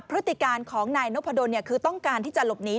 พฤติการของนายนพดลคือต้องการที่จะหลบหนี